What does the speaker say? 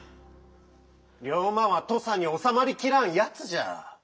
龍馬は土佐におさまりきらんやつじゃ。